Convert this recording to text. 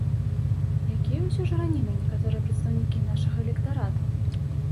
Якія ўсё ж ранімыя некаторыя прадстаўнікі нашага электарату!